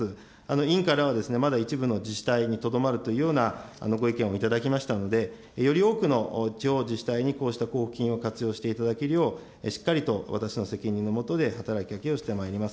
委員からはまだ一部の自治体にとどまるというようなご意見を頂きましたので、より多くの地方自治体にこうした公金を活用していただけるよう、しっかりと私の責任の下で、働きかけをしてまいります。